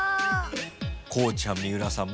こうちゃん三浦さん